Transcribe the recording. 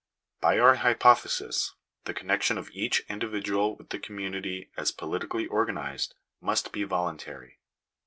By our hypothesis the connection of each individual with 'the community as politically organized, must be voluntary.